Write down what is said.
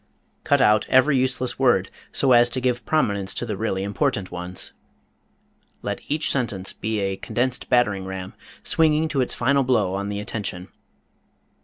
Cut out every useless word, so as to give prominence to the really important ones. Let each sentence be a condensed battering ram, swinging to its final blow on the attention.